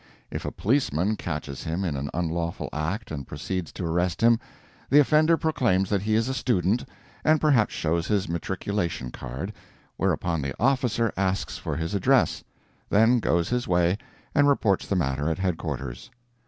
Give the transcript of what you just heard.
If a policeman catches him in an unlawful act and proceeds to arrest him, the offender proclaims that he is a student, and perhaps shows his matriculation card, whereupon the officer asks for his address, then goes his way, and reports the matter at headquarters.